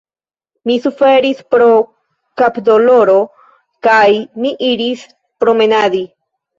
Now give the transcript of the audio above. Mi suferis pro kapdoloro, kaj mi iris promenadi.